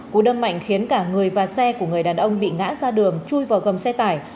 cú đâm mạnh khiến cả người và xe của người đàn ông bị ngã ra đường chui vào gầm xe tải